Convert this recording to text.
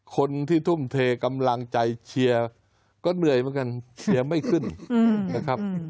คนที่ทุ่มเทกำลังใจเชียร์ก็เหนื่อยเหมือนกันเชียร์ไม่ขึ้นนะครับ